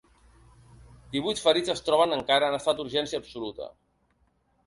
Divuit ferits es troben encara en estat d’urgència absoluta.